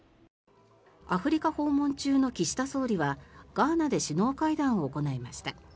アフリカ訪問中の岸田総理はガーナで首脳会談を行いました。